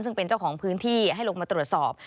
ซึ่งเป็นเจ้าของพื้นที่ให้ลงมาตรวจสอบ